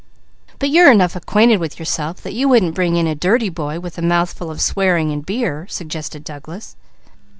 "But you're enough acquainted with yourself that you wouldn't bring in a dirty boy with a mouth full of swearing and beer," suggested Douglas.